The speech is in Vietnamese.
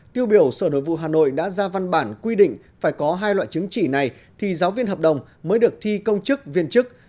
tiêu biểu sở nội vụ hà nội đã ra văn bản quy định phải có hai loại chứng chỉ này thì giáo viên hợp đồng mới được thi công chức viên chức